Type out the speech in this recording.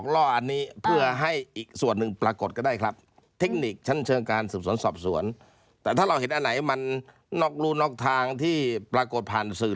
เราเห็นอันไหนมันนอกรู้นอกทางที่ปรากฏผ่านสื่อ